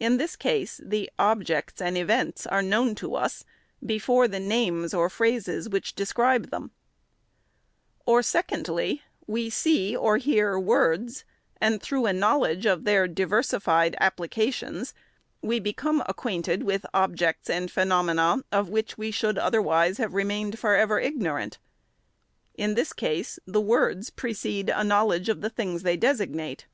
In this case, the objects and events are known to us, before the names, or phrases, which describe them ; or, secondly, we see or hear words, and through a knowledge of their diversified applications we become acquainted with objects and phenomena, of which we should otherwise have remained forever igno rant. In this case, the words precede a knowledge of the things they designate.